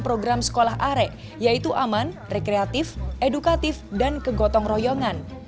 program sekolah arek yaitu aman rekreatif edukatif dan kegotong royongan